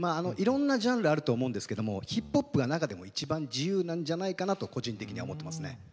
いろんなジャンルあると思うんですけどもヒップホップが中でも一番自由なんじゃないかなと個人的には思ってますね。